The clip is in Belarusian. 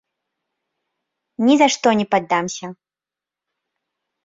Ні за што не паддамся!